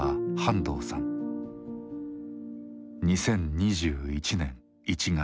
２０２１年１月。